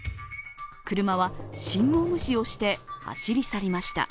車は信号無視をして、走り去りました。